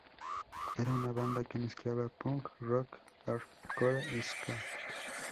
Era una banda que mezclaba punk rock, hardcore y ska.